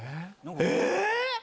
え